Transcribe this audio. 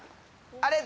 あれ？